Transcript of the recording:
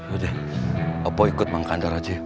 udah apoy ikut mang kandar aja